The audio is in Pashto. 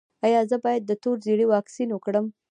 ایا زه باید د تور ژیړي واکسین وکړم؟